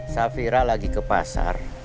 safira lagi ke pasar